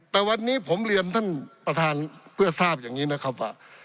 แต่วันนี้ผมเรียนท่านประธานเพื่อทราบอย่างนี้นะครับว่า